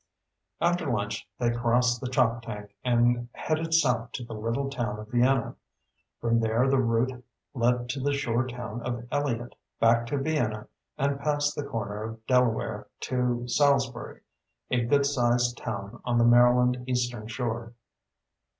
After lunch, they crossed the Choptank and headed south to the little town of Vienna. From there the route led to the shore town of Elliott, back to Vienna, and past the corner of Delaware to Salisbury, a good sized town on the Maryland Eastern Shore.